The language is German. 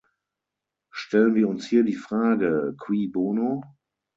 Stellen wir uns hier die Frage cui bono?